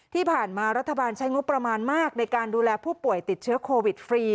ที่ผ่านมารัฐบาลใช้งบประมาณมากในการดูแลผู้ป่วยติดเชื้อโควิดฟรี